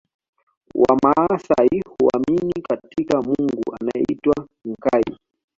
Wamaasai huamini katika Mungu anaeitwa Nkai